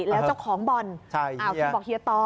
แล้วเจ้าของบอลบอกเฮียต่อ